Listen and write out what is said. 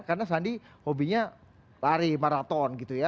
karena sandi hobinya lari maraton gitu ya